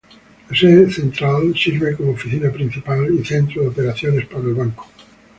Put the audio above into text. La sede central sirve como oficina principal y centro de operaciones para el banco.